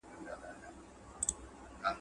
زه به سبا سړو ته خواړه ورکړم؟